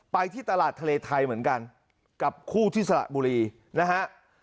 ไปที่ตลาดทะเลไทยเหมือนกันกับคู่ที่สระบุรีนะฮะ